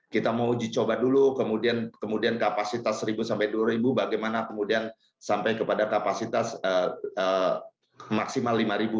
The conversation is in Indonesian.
kita mau uji coba dulu kemudian kapasitas seribu sampai dua ribu bagaimana kemudian sampai kepada kapasitas maksimal lima ribu